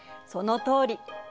そのとおり。